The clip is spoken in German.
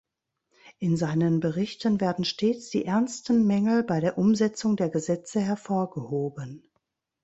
In seinen Berichten werden stets die ernsten Mängel bei der Umsetzung der Gesetze hervorgehoben.